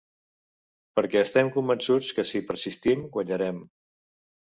Perquè estem convençuts que si persistim, guanyarem.